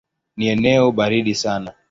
Ni eneo baridi sana.